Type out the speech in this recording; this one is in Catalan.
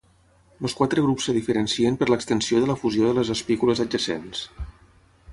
Els quatre grups es diferencien per l'extensió de la fusió de les espícules adjacents.